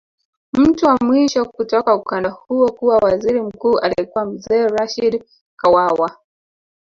Mtu wa mwisho kutoka ukanda huo kuwa waziri mkuu alikuwa Mzee Rashid Kawawa